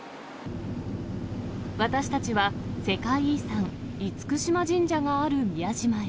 私たちは世界遺産、厳島神社がある宮島へ。